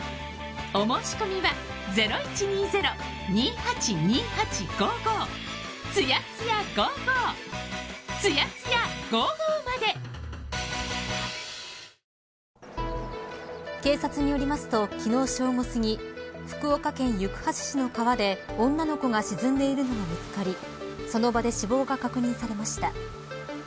本当に、おのおのの感じるものが違くて警察によりますと昨日正午すぎ福岡県行橋市の川で女の子が沈んでいるのが見つかりその場で死亡が確認されました。